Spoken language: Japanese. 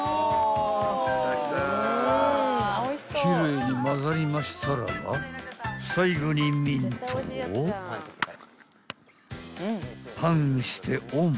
［奇麗に混ざりましたらば最後にミントをパンしてオン］